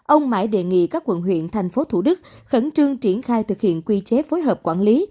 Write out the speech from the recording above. ông mãi đề nghị các quận huyện thành phố thủ đức khẩn trương triển khai thực hiện quy chế phối hợp quản lý